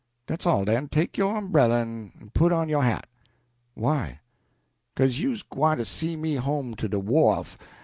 "Dat's all den. Take yo' umbreller, en put on yo' hat." "Why?" "Beca'se you's gwine to see me home to de wharf.